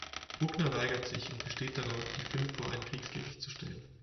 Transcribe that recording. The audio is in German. Buckner weigert sich und besteht darauf, die fünf vor ein Kriegsgericht zu stellen.